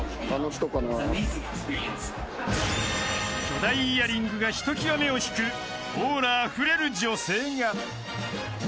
［巨大イヤリングがひときわ目を引くオーラあふれる女性が］